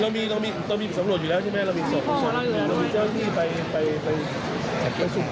เรามีสำรวจอยู่แล้วใช่ไหม